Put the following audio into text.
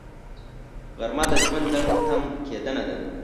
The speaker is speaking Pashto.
غرمه د ژوند لنډ تم کېدنه ده